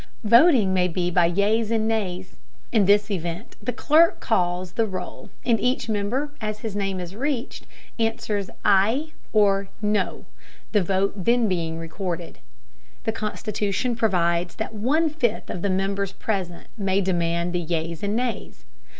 Voting may be by yeas and nays. In this event, the clerk calls the roll and each member, as his name is reached, answers "aye" or "no," the vote then being recorded. The Constitution provides that one fifth of the members present may demand the yeas and nays.